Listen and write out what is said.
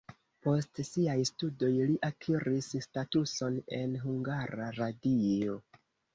Post siaj studoj li akiris statuson en Hungara Radio.